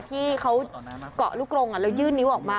ที่เขาเกาะลูกกรงแล้วยื่นนิ้วออกมา